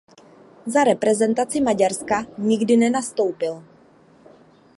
Za reprezentaci Maďarska nikdy nenastoupil.